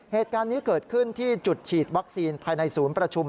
เหตุการณ์นี้เกิดขึ้นที่จุดฉีดวัคซีนภายในศูนย์ประชุม